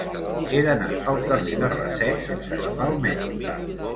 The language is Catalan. He d'anar al carrer de Raset sense agafar el metro.